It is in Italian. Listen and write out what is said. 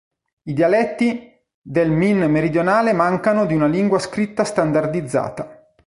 I dialetti del min meridionale mancano di una lingua scritta standardizzata.